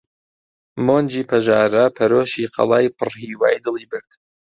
مۆنجی پەژارە پەرۆشی قەڵای پڕ هیوای دڵی برد!